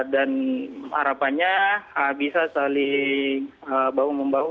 dan harapannya bisa saling bahu membahu